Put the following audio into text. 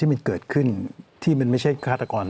มันเกิดขึ้นที่มันไม่ใช่ฆาตกร